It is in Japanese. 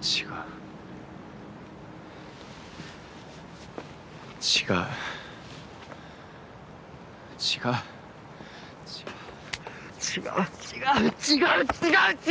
違う違う違う違う違う違う違う！